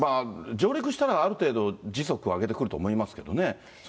上陸したらある程度、時速を上げてくると思いますけどね。